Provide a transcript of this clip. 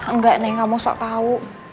enggak nek gak mau sok tau